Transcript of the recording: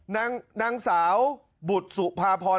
นางสาวบุตรสุภาพร